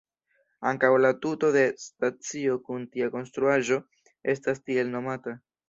Ankaŭ la tuto de stacio kun tia konstruaĵo estas tiel nomata.